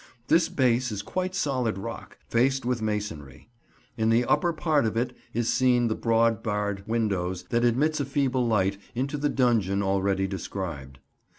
This base is quite solid rock, faced with masonry. In the upper part of it is seen the small barred window that admits a feeble light into the dungeon already described.